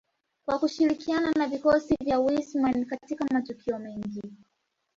kwa kushirikiana na vikosi vya Wissmann katika matukio mengi